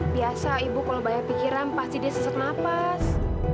biasa ibu kalau banyak pikiran pasti dia sesak nafas